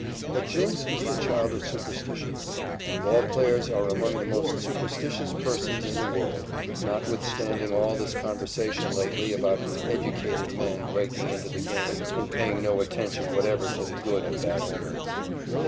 A jinx is the child of superstition, and ball players are among the most superstitious persons in the world, notwithstanding all this conversation lately about educated men breaking into the game and paying no attention whatever to the good and bad omens.